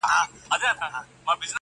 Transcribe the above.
د قاضي معاش څو چنده ته رسېږې ،